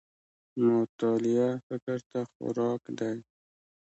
مطالعه فکر ته خوراک دی